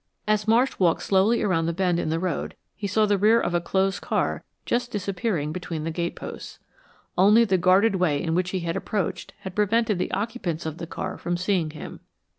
As Marsh walked slowly around the bend in the road he saw the rear of a closed car just disappearing between the gateposts. Only the guarded way in which he had approached had prevented the occupants of the car from seeing him.